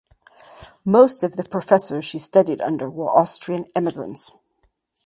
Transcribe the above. Most of the professors she studied under were Austrian emigrants.